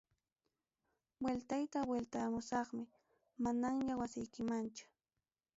Vueltayta vueltamusaqmi, manamya wasikimanchu.